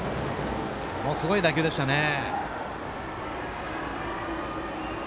ものすごい打球でしたね。